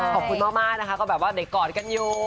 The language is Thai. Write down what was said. ขอบคุณมากนะคะก็แบบว่าเด็กกอดกันอยู่